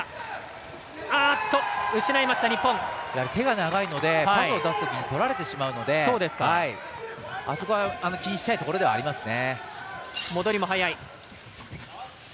手が長いのでパスを出すときに取られてしまうのであそこは、気にしたいところではありますね。